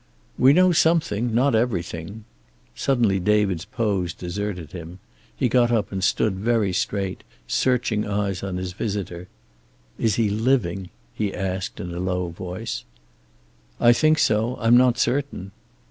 "We know something, not everything." Suddenly David's pose deserted him. He got up and stood very straight, searching eyes on his visitor. "Is he living?" he asked, in a low voice. "I think so. I'm not certain."